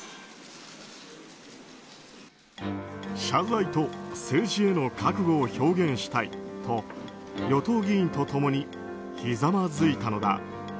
謝罪と政治への覚悟を表現したいと与党議員とともにひざまずいたのだ。